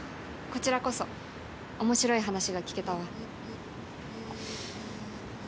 こちらこそ面白い話が聞けたわ。